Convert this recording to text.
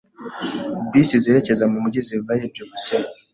Bisi zerekeza mu mujyi ziva he? byukusenge